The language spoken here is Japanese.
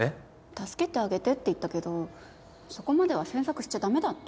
助けてあげてって言ったけどそこまでは詮索しちゃ駄目だって。